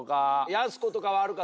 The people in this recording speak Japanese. やす子とかはあるか？